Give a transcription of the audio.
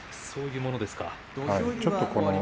そういうものですか？